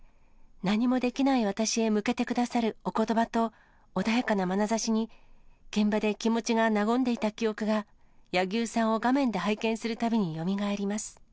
何もできない私へ向けてくださるおことばと穏やかなまなざしに、現場で気持ちが和んでいた記憶が、柳生さんを画面で拝見するたびによみがえります。